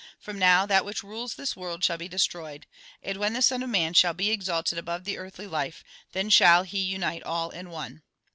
From now that which rules this world shall be destroyed. And when the Son of Man shall be exalted above the earthly life, then shall he unite all in one.